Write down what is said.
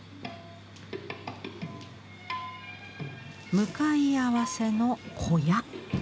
向かい合わせの小屋。